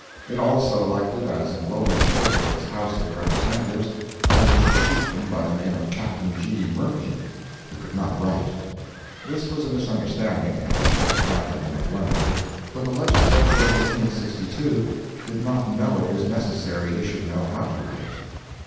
It also elected as enrolling clerk of its House of Representatives a militia chieftain by the name of Captain G. Murphy, who could not write. This was a misunderstanding, however, rather than a blunder, for the Legislature of 1862 did not know it was necessary he should know how to write.